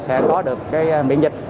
sẽ có được cái miễn dịch